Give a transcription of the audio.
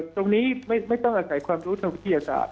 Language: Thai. ตรงนี้ไม่ต้องอาศัยความรู้ทางวิทยาศาสต